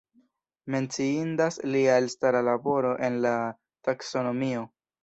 Menciindas lia elstara laboro en la taksonomio.